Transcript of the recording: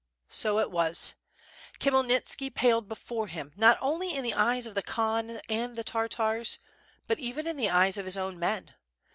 So it was; Khmyelnitski paled before him, not only in the eyes of the Khan and the Tartars, but even in the eyes of his own men.